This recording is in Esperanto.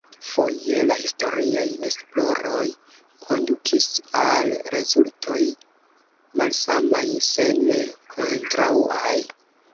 Foje la historiaj esploroj kondukis al rezultoj malsamaj se ne kontraŭaj.